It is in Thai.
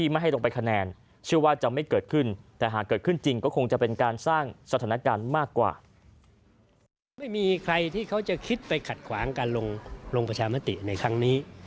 ไม่มีใครที่เขาจะคิดไปขัดขวางการลงประชามติในครั้งนี้